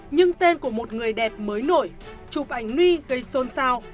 nhưng tên của một người đẹp mới nổi chụp ảnh nguy gây xôn xao